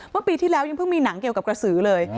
เมื่อปีที่แล้วยังเพิ่งมีหนังเกี่ยวกับกระสือเลย